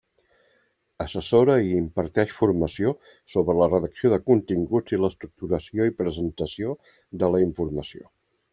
Assessora i imparteix formació sobre la redacció de continguts i l'estructuració i presentació de la informació.